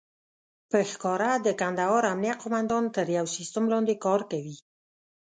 په ښکاره د کندهار امنيه قوماندان تر يو سيستم لاندې کار کوي.